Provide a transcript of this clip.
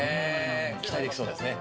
期待できそうですね。